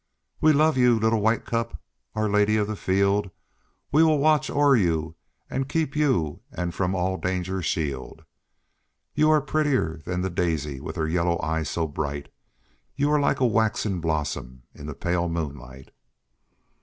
"We love you, little White Cup, Our Lady of the Field; We will watch o'er you and keep you and from all danger shield; You are prettier than the Daisy with her yellow eye so bright, You are like a waxen blossom in the pale moonlight."